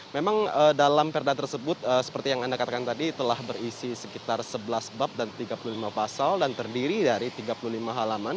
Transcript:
memang dalam perda tersebut seperti yang anda katakan tadi telah berisi sekitar sebelas bab dan tiga puluh lima pasal dan terdiri dari tiga puluh lima halaman